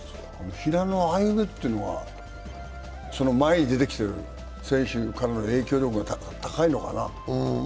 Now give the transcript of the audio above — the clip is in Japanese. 平野歩夢という、その前に出てきている選手の影響力が高いのかな。